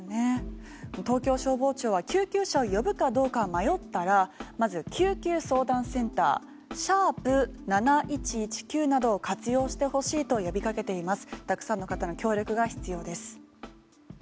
東京消防庁は救急車を呼ぶかどうか迷ったらまず救急相談センター♯７１１９などを活用してほしいと呼びかけています。